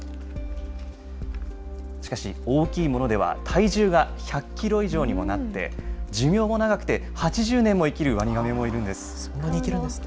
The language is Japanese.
しかし大きいものでは体重が１００キロ以上にもなって、寿命も長くて８０年も生きるワニガメもいそんなに生きるんですか。